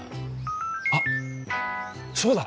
あっそうだ！